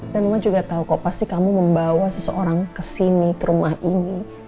dan gue juga tahu kok pasti kamu membawa seseorang kesini ke rumah ini